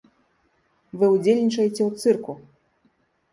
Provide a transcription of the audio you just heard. Вы ўдзельнічаеце ў цырку!